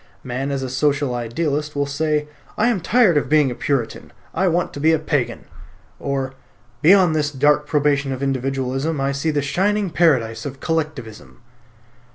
Man as a social idealist will say "I am tired of being a Puritan; I want to be a Pagan," or "Beyond this dark probation of Individualism I see the shining paradise of Collectivism."